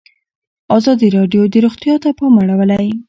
ازادي راډیو د روغتیا ته پام اړولی.